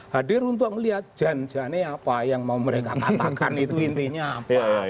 hadir untuk melihat jan janei apa yang mau mereka katakan itu intinya apa